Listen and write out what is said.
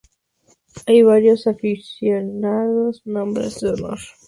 Hay varias afecciones nombradas en su honor.